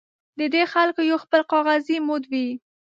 د دې خلکو یو خپل کاغذي موډ وي.